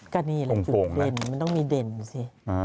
ก็นี่แหละจุดเด่นมันต้องมีเด่นสิ